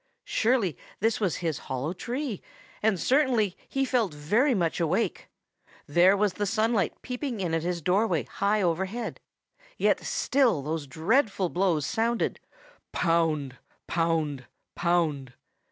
Surely this was his hollow tree, and certainly he felt very much awake. There was the sunlight peeping in at his doorway high overhead. Yet still those dreadful blows sounded pound, pound, pound.